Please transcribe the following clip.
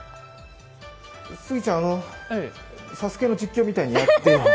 スギちゃん、「ＳＡＳＵＫＥ」の実況みたいにやってよ。